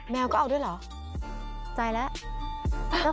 แมวก็เอาด้วยเหรอใจแล้ว